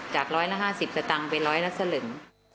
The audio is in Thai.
จากร้อยละ๕๐จะตังไปร้อยละสลึง